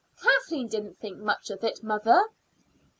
"Kathleen didn't think much of it, mother."